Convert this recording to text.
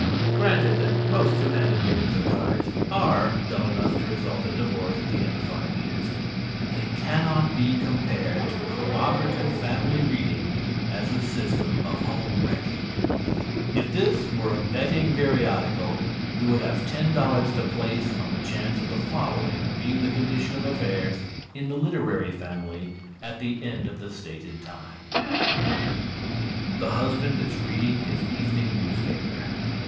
Granted that most two handed games of cards are dull enough to result in divorce at the end of five years, they cannot be compared to co operative family reading as a system of home wrecking. If this were a betting periodical, we would have ten dollars to place on the chance of the following being the condition of affairs in the literary family at the end of the stated time: (_The husband is reading his evening newspaper.